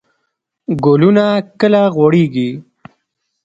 ګلونه کله غوړیږي؟